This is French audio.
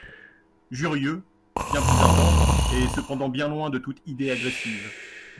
Jurieu, bien plus ardent, est cependant bien loin de toute idée agressive.